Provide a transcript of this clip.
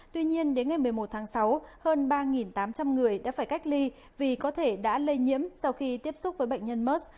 tuy nhiên đến ngày một mươi một tháng sáu hơn ba tám trăm linh người đã phải cách ly vì có thể đã lây nhiễm sau khi tiếp xúc với bệnh nhân mers